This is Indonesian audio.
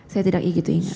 saya tidak begitu ingat